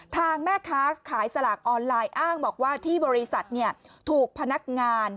ทางแม่ค้าขายสลากออนไลน์อ้างบอกว่าที่บริษัทถูกพนักงาน